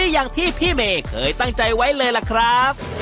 อย่างที่พี่เมย์เคยตั้งใจไว้เลยล่ะครับ